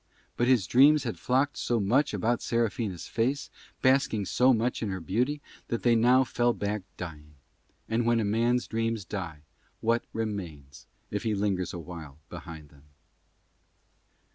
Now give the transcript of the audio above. But his dreams had flocked so much about Serafina's face, basking so much in her beauty, that they now fell back dying; and when a man's dreams die what remains, if he lingers awhile behind them?